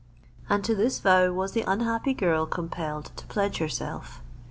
And to this vow was the unhappy girl compelled to pledge herself.